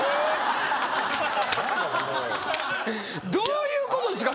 どういうことですか？